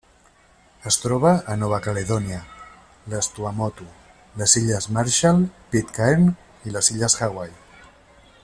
Es troba a Nova Caledònia, les Tuamotu, les illes Marshall, Pitcairn i les illes Hawaii.